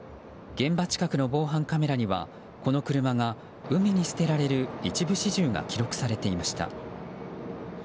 現場近くの防犯カメラにはこの車が海に捨てられる一部始終が記録されていました。